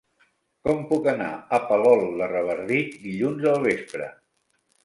Com puc anar a Palol de Revardit dilluns al vespre?